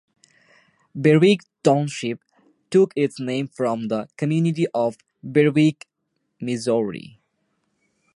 Berwick Township took its name from the community of Berwick, Missouri.